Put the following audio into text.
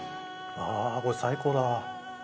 ああこれ最高だ。